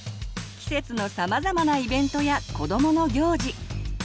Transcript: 季節のさまざまなイベントや子どもの行事。